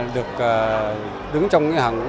được đứng trong cái hàng